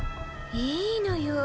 いいのよ。